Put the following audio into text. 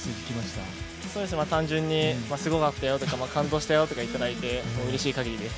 単純にすごかったよとか、感動したよとかいただいてもううれしいかぎりです。